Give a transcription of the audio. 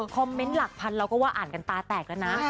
หลักพันเราก็ว่าอ่านกันตาแตกแล้วนะ